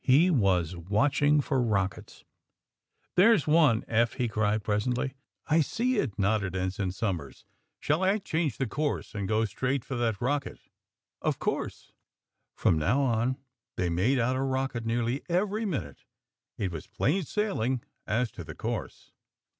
He was watching for rockets. i i There 's one, Eph !" he cried presently. '*I see it," nodded Ensign Somers. ^' Shall I change the course and go straight for that rocket?" AND THE SMUGGLERS 119 0f course!" From now on they made out a rocket nearly every minute. It was plain sailing as to tke course.